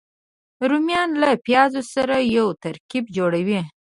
رومیان له پیاز سره یو ترکیب جوړوي